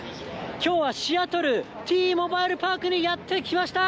きょうはシアトル、Ｔーモバイル・パークにやって来ました。